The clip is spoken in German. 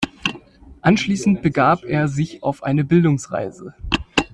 Anschließend begab er sich auf eine Bildungsreise.